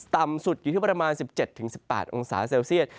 ต่ำสุดอยู่ที่ประมาณ๑๗๑๘องศาเซลเซียต